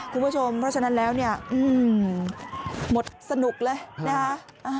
คุณผู้ชมเพราะฉะนั้นแล้วเนี่ยหมดสนุกเลยนะคะ